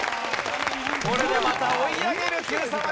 これでまた追い上げるＱさま！！